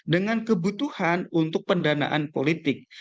dengan kebutuhan untuk pendanaan politik